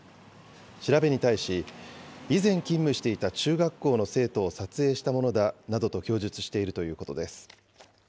調べに対し、以前、勤務していた中学校の生徒を撮影したものだなどと供述しているということです。